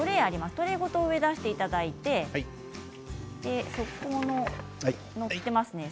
トレーごと上に出していただいて載っていますよね。